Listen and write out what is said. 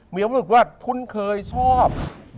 มีเป็นความสุขว่าพนุษย์เคยชอบ